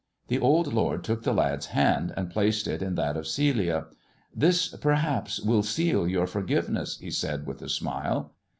The old lord took the lad's hand and placed it in that of Celia. " This, perhaps, will seal your forgiveness," he said, with a smile.